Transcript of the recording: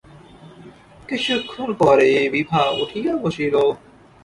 কিছুক্ষণ পরে বিভা উঠিয়া বসিল।